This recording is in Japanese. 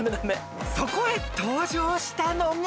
［そこへ登場したのが］